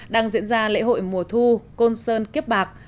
đang diễn ra lễ hội mùa thu côn sơn kiếp bạc